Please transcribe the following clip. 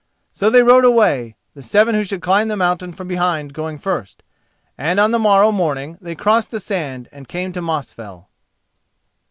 So they rode away, the seven who should climb the mountain from behind going first, and on the morrow morning they crossed the sand and came to Mosfell.